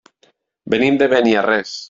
Venim de Beniarrés.